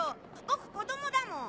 僕子供だもん。